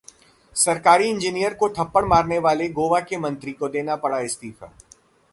सरकारी इंजीनियर को थप्पड़ मारने वाले गोवा के मंत्री को देना पड़ा इस्तीफा